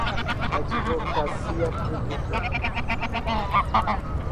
Advocacia Pública